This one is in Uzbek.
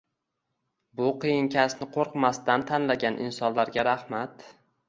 Bu qiyin kasbni qo'rqmasdan tanlagan insonlarga rahmat